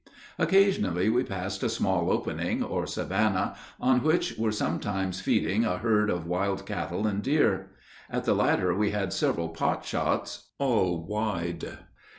Occasionally we passed a small opening, or savanna, on which were sometimes feeding a herd of wild cattle and deer; at the latter we had several potshots, all wide.